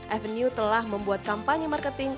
avenue telah membuat kampanye marketing